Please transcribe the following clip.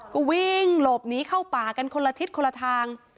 ก็วิ่งหลบหนีเข้าป่ากันคนละทิศคนละทาง